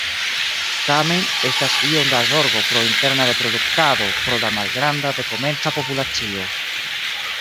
Tamen, estas iom da zorgo pro interna reproduktado pro la malgranda dekomenca populacio.